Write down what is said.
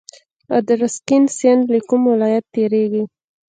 ادرسکن سیند له کوم ولایت تیریږي؟